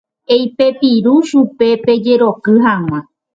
Eipepirũ chupe pejeroky hag̃ua.